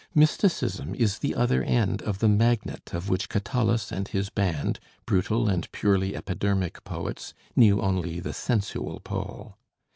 Mysticism is the other end of the magnet of which Catullus and his band, brutal and purely epidermic poets, knew only the sensual pole.